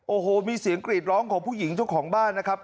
โอ้โหมีเสียงกรีดร้องของผู้หญิงเจ้าของบ้านนะครับ